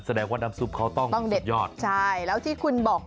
แสดงว่าน้ำซุปเขาต้องต้องเด็ดยอดใช่แล้วที่คุณบอก